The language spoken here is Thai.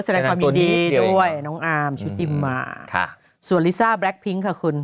แสดงความยินดีด้วยน้องอาร์มชุติมาส่วนลิซ่าแล็คพิ้งค่ะคุณ